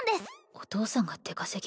お父さんが出稼ぎ？